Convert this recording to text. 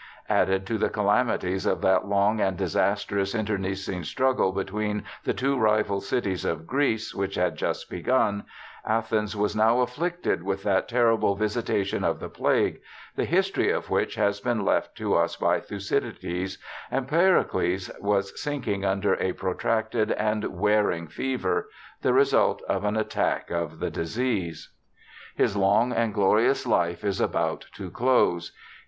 Added to the calamities of that long and disastrous inter necine struggle between the two rival cities of Greece, which had just begun, Athens was now afflicted with that terrible visitation of the plague, the history of which has been left to us by Thucydides; and Pericles was sinking under a pro tracted and wearing fever — the result of an attack of the disease. His long and glorious life is about to close.